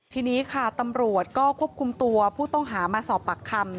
ทีนี้ค่ะตำรวจก็ควบคุมตัวผู้ต้องหามาสอบปากคำ